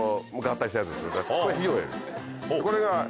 これが。